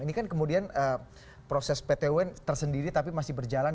ini kan kemudian proses pt un tersendiri tapi masih berjalan